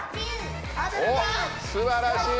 おっすばらしい！